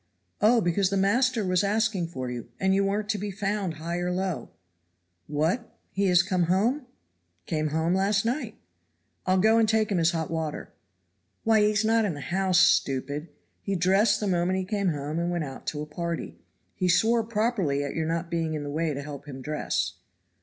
"Oh, because the master was asking for you, and you weren't to be found high or low." "What, is he come home?" "Came home last night." "I'll go and take him his hot water." "Why, he is not in the house, stupid. He dressed the moment he came home and went out to a party. He swore properly at your not being in the way to help him dress."